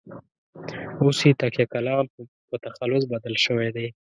اوس یې تکیه کلام په تخلص بدل شوی دی.